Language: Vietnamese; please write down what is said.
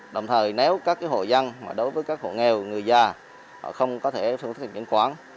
đồng thời nếu các hộ dân đối với các hộ nghèo người già không có thể phương thức thanh toán